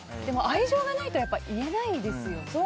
愛情がないと言えないですよね。